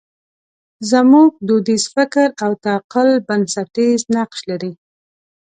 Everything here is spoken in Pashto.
زموږ دودیز فکر او تعقل بنسټیز نقش لري.